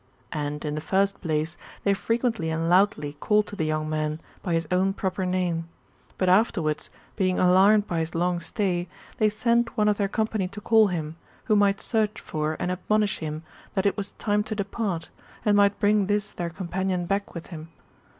And, in the first place, they frequently and loudly called to the young man, by his own proper name ; but afterwards, being alarmed by his long stay, they sent one of their company to call him, who might search for and admonish him that it was time to depart, and might bring this their companion back with him.